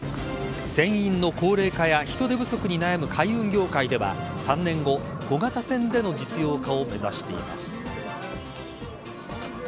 船員の高齢化や人手不足に悩む海運業界では３年後、小型船での実用化を目指しています。